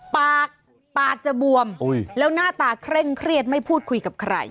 ปากปากจะบวมแล้วหน้าตาเคร่งเครียดไม่พูดคุยกับใคร